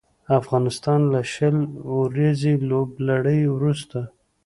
افغانستان له شل اوريزې لوبلړۍ وروسته